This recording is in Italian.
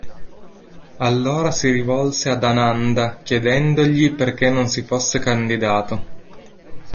Allora si rivolse ad Ānanda chiedendogli perché non si fosse candidato.